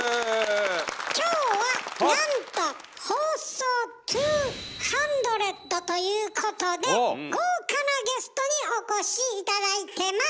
今日はなんと放送２００ということで豪華なゲストにお越し頂いてます！